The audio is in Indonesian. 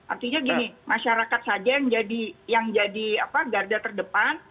artinya gini masyarakat saja yang jadi garda terdepan